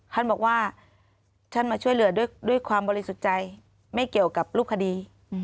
ท่านบอกว่าท่านมาช่วยเหลือด้วยความบริสุทธิ์ใจไม่เกี่ยวกับรูปคดี